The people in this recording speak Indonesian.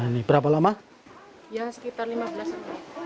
hai hai nah ini berapa lama yang sekitar lima belas